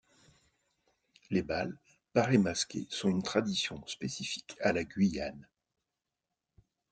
Les bals paré-masqués sont une tradition spécifique à la Guyane.